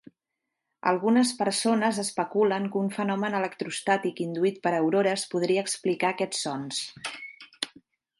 Algunes persones especulen que un fenomen electroestàtic induït per aurores podria explicar aquests sons.